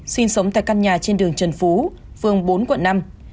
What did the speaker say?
sinh sống tại căn nhà trên đường trần phú phường bốn quận năm